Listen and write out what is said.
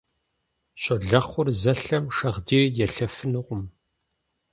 Щолэхъур зэлъэм шагъдийр елъэфынукъым.